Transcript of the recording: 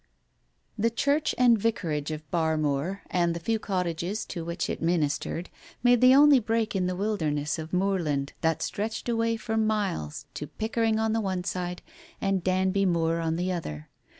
The Church and Vicarage of Barmoor, and the few cottages to which it ministered, made the only break in the wilderness of moorland that stretched away for miles to Pickering on the one side and Danby Moor on the other.